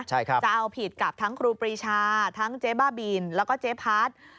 จะเอาผิดกับทั้งครูปีชาทั้งเจ๊บ้าบินแล้วก็เจ๊พัฒน์